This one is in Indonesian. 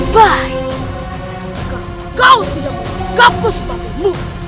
kalau kau tidak mengangkatku sebab murid